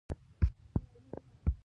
خو دوی په خوب کې هم یو فکر نشي کولای.